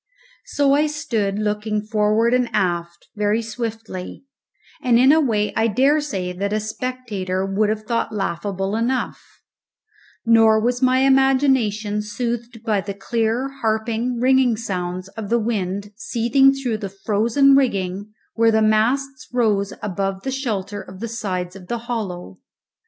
So I stood looking forward and aft, very swiftly, and in a way I dare say that a spectator would have thought laughable enough; nor was my imagination soothed by the clear, harping, ringing sounds of the wind seething through the frozen rigging where the masts rose above the shelter of the sides of the hollow.